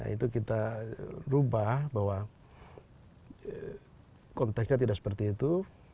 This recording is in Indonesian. itu kita rubah bahwa konteksnya tidak seperti itu